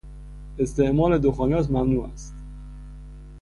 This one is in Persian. استعمال دخانیات ممنوع است!